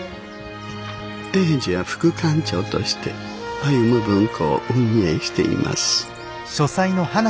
英治は副館長として歩文庫を運営しています。